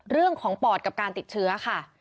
เรื่องของปอดกับการติดเชื้อค่ะ